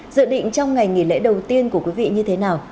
dự định trong ngày nghỉ lễ đầu tiên của quý vị như thế nào